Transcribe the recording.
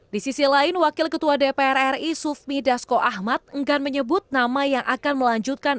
di sisi lain wakil ketua dpr ri sufmi dasko ahmad enggan menyebut nama yang akan melanjutkan